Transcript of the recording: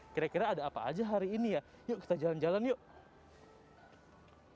kira kira ada apa aja hari ini ya yuk kita jalan jalan yuk